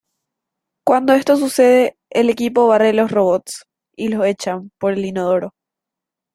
Cuando esto sucede, el equipo barre los robots y los echan por el inodoro.